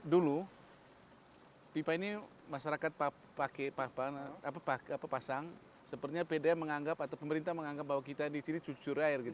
dulu pipa ini masyarakat pakai pasang sepertinya pdam menganggap atau pemerintah menganggap bahwa kita di sini cucur air